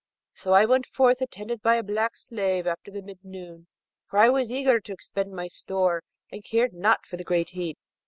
So I went forth, attended by a black slave, after the mid noon, for I was eager to expend my store, and cared not for the great heat.